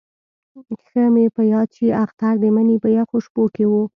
ښه مې په یاد شي اختر د مني په یخو شپو کې وو.